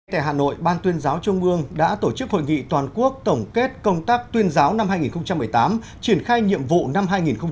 tại hà nội ban tuyên giáo trung ương đã tổ chức hội nghị toàn quốc tổng kết công tác tuyên giáo năm hai nghìn một mươi tám triển khai nhiệm vụ năm hai nghìn một mươi chín